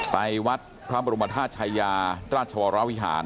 ไปวัดพระบรมธาตุชายาราชวรวิหาร